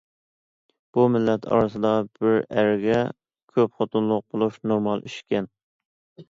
بۇ مىللەت ئارىسىدا بىر ئەرگە كۆپ خوتۇنلۇق بولۇش نورمال ئىش ئىكەن.